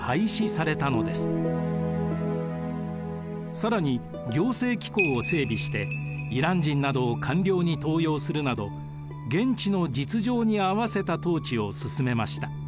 更に行政機構を整備してイラン人などを官僚に登用するなど現地の実情にあわせた統治を進めました。